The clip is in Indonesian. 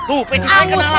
aduh beci saya kena lagi